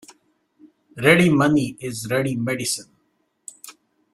Ready money is ready medicine.